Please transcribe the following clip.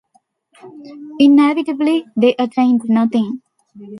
Inevitably they attained nothing.